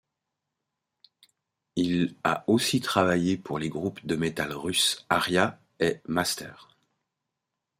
Il a aussi travaillé pour les groupes de métal russes Aria et Master.